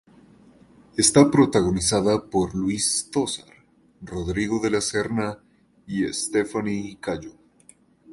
Está protagonizada por Luis Tosar, Rodrigo de la Serna y Stephanie Cayo.